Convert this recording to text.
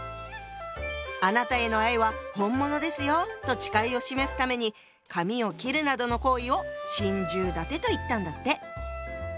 あなたへの愛は本物ですよと誓いを示すために髪を切るなどの行為を「心中立て」と言ったんだって。